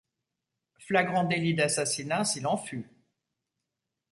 Flagrant délit d’assassinat, s’il en fut.